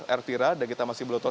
ervira dan kita masih belum tahu